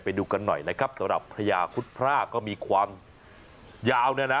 ไปดูกันหน่อยนะครับสำหรับพญาคุดพร่าก็มีความยาวเนี่ยนะ